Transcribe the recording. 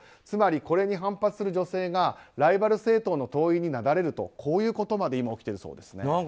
つまりこれに反発する女性がライバル政党の党員に流れるとこういうことまで今、起きているそうですね。